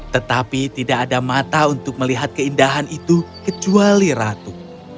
tetapi tidak ada mata untuk melihat keindahan itu kecuali ratu